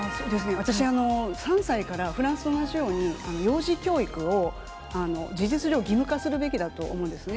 私、３歳からフランスと同じように、幼児教育を事実上義務化するべきだと思うんですね。